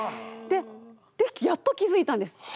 でやっと気付いたんです。